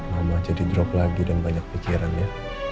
mama jadi drop lagi dan banyak pikiran ya